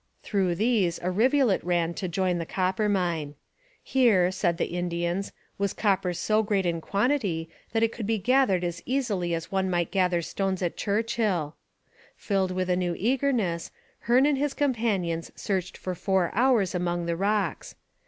Through these a rivulet ran to join the Coppermine. Here, said the Indians, was copper so great in quantity that it could be gathered as easily as one might gather stones at Churchill. Filled with a new eagerness, Hearne and his companions searched for four hours among the rocks.